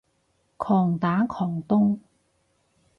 狂打狂咚